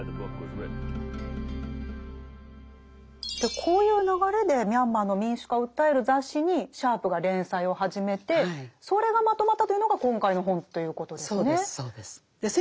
こういう流れでミャンマーの民主化を訴える雑誌にシャープが連載を始めてそれがまとまったというのが今回の本ということですね。